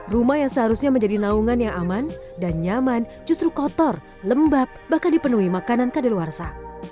rumah yang seharusnya menjadi naungan yang aman dan nyaman justru kotor lembab bahkan dipenuhi makanan kadeluarsa